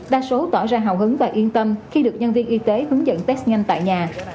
đa số tỏ ra hào hứng và yên tâm khi được nhân viên y tế hướng dẫn test nhanh tại nhà